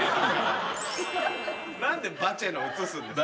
何でバチェの映すんですか。